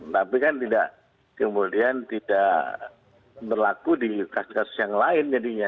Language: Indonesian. tapi kan tidak kemudian tidak berlaku di kasus kasus yang lain jadinya